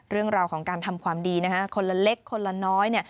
เรื่องราวของการทำความดีนะฮะคนละเล็กคนละน้อย